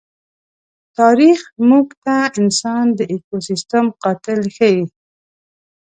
تاریخ موږ ته انسان د ایکوسېسټم قاتل ښيي.